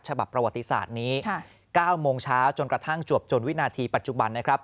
ฉบับประวัติศาสตร์นี้๙โมงเช้าจนกระทั่งจวบจนวินาทีปัจจุบันนะครับ